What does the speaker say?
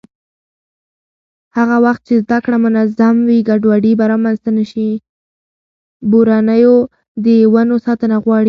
بورنېو د ونو ساتنه غواړي.